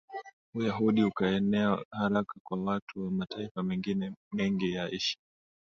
Uyahudi ukaenea haraka kwa watu wa mataifa mengine mengi ya Asia